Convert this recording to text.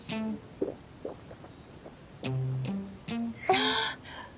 ああ！